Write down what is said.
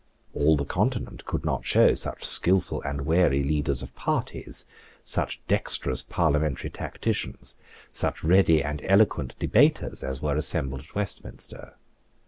All the Continent could not show such skilful and wary leaders of parties, such dexterous parliamentary tacticians, such ready and eloquent debaters, as were assembled at Westminister.